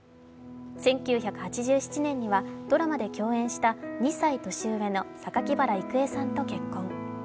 １９８７年にはドラマで共演した２歳年上の榊原郁恵さんと結婚。